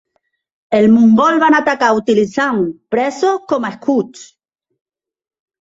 Els mongols van atacar utilitzant presos com a escuts.